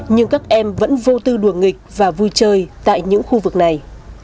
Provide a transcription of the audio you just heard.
nhưng các em vẫn vô tư đùa nghịch và vui chơi tại những khu vực này